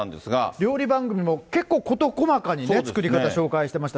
料理番組も結構、事細かにね、作り方紹介してました。